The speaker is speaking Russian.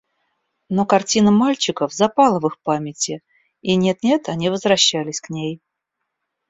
Но картина мальчиков запала в их памяти, и нет-нет они возвращались к ней.